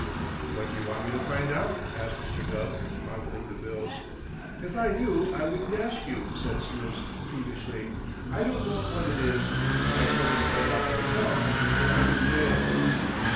"What do you want me to find out?" asked Mr. Gubb, fondling the bills. "If I knew, I wouldn't ask you," said Snooks peevishly. "I don't know what it is. I'd go and find out myself, but I'm in jail."